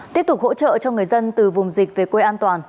tiếp tục hỗ trợ cho người dân từ vùng dịch về quê an toàn